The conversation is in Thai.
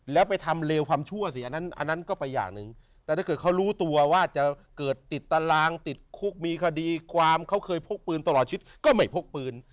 แล้วไปทำเลวความชั่วสิอันนั้นก็ไปอย่างหนึ่งแต่ถ้าเกิดเขารู้ตัวว่าจะเกิดติดตารางติดคุกมีคดีความเขาเคยพกปืนตลอดชีวิตก็ไม่พกปืน